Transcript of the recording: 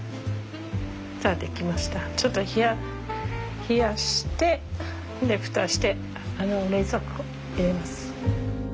ちょっと冷やして蓋して冷蔵庫入れます。